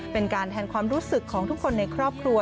เป็นการแทนความรู้สึกของทุกคนในครอบครัว